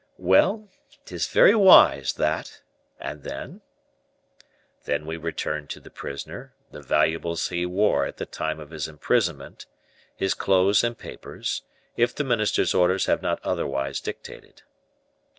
"Well, 'tis very wise, that; and then?" "Then we return to the prisoner the valuables he wore at the time of his imprisonment, his clothes and papers, if the minister's orders have not otherwise dictated."